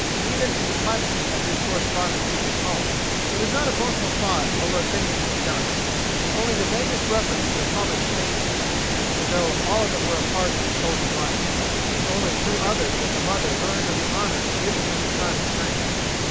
Even in the privacy of his correspondence with his home, there was not a boastful thought over a thing that he had done, and only the vaguest reference to the homage paid to him, as tho it were all a part of a soldier's life. It was only through others that the mother learned of the honors given to her son in France.